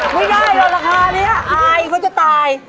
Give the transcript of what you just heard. ไม่ได้หรอกราคานี้อายเขาจะตาย